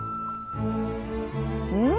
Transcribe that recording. うん。